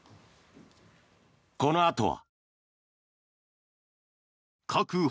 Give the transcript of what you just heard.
このあとは。